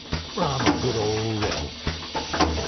For I'm a good old rebel, etc.